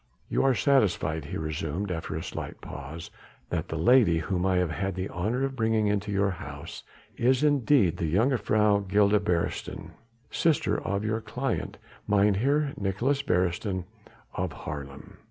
"You are satisfied," he resumed after a slight pause, "that the lady whom I have had the honour of bringing into your house is indeed the Jongejuffrouw Gilda Beresteyn, sister of your client Mynheer Nicolaes Beresteyn of Haarlem?"